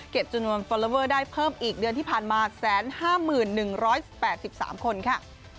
จำนวนฟอลลอเวอร์ได้เพิ่มอีกเดือนที่ผ่านมา๑๕๑๘๓คนค่ะ